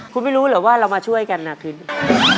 คุณไม่รู้เหรอว่าเรามาช่วยกันนะคืนนี้